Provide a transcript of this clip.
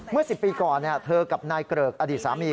เมื่อ๑๐ปีก่อนเธอกับนายเกริกอดีตสามี